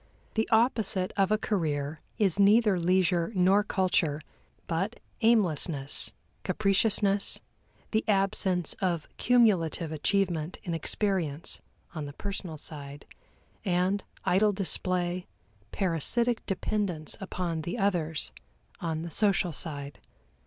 The opposite of a career is neither leisure nor culture, but aimlessness, capriciousness, the absence of cumulative achievement in experience, on the personal side, and idle display, parasitic dependence upon the others, on the social side.